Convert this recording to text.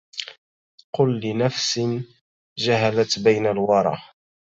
قل لنفس جهلت بين الورى